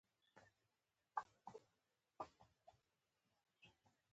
په صلح کښېنه، شخړه پرېږده.